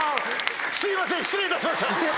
「すいません失礼いたしました！」